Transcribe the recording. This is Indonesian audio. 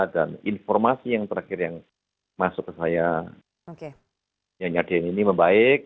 dan informasi yang terakhir yang masuk ke saya yang nyadir ini membaik